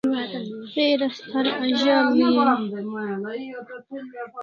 Khair as thara azal'i en?